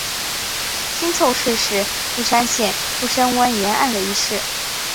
新凑市是富山县富山湾沿岸的一市。